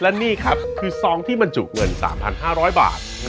และนี่ครับคือซองที่บรรจุเงิน๓๕๐๐บาท